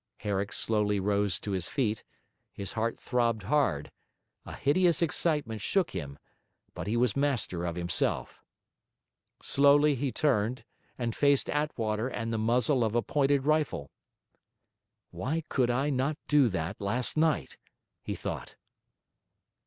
Herrick slowly rose to his feet; his heart throbbed hard, a hideous excitement shook him, but he was master of himself. Slowly he turned, and faced Attwater and the muzzle of a pointed rifle. 'Why could I not do that last night?' he thought.